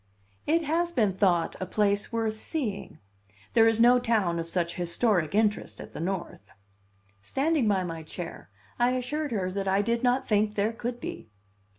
"It has been thought a place worth seeing. There is no town of such historic interest at the North." Standing by my chair, I assured her that I did not think there could be.